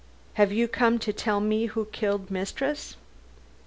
'Ave you come to tell me who killed mistress?"